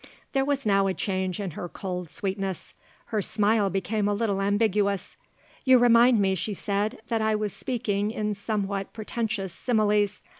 There was now a change in her cold sweetness; her smile became a little ambiguous. "You remind me," she said, "that I was speaking in somewhat pretentious similes.